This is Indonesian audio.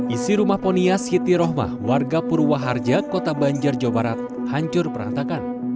isi rumah ponia siti rohmah warga purwoharja kota banjar jawa barat hancur perantakan